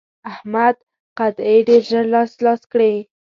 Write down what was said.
احمد قطعې ډېر ژر لاس لاس کړې.